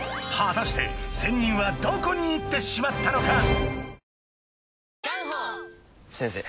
果たして仙人はどこに行ってしまったのか！？